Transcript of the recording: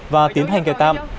và tiến hành kẻ tạm